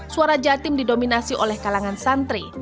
suara jatim didominasi oleh kalangan santri